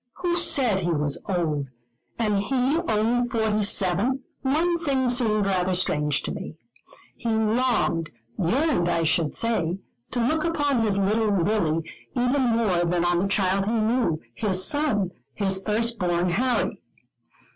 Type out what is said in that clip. Who said he was old and he only forty seven? One thing seemed rather strange to me. He longed, yearned I should say, to look upon his little Lily even more than on the child he knew, his son, his first born Harry.